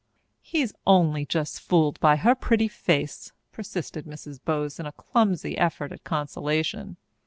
"He's only just fooled by her pretty face," persisted Mrs. Bowes in a clumsy effort at consolation.